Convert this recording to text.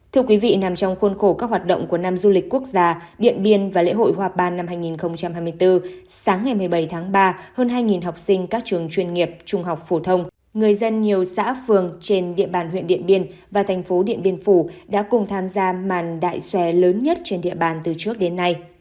thưa quý vị nằm trong khuôn khổ các hoạt động của năm du lịch quốc gia điện biên và lễ hội hoa ban năm hai nghìn hai mươi bốn sáng ngày một mươi bảy tháng ba hơn hai học sinh các trường chuyên nghiệp trung học phổ thông người dân nhiều xã phường trên địa bàn huyện điện biên và thành phố điện biên phủ đã cùng tham gia màn đại xòe lớn nhất trên địa bàn từ trước đến nay